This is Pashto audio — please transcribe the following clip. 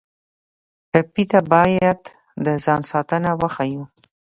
ټپي ته باید د ځان ساتنه وښیو.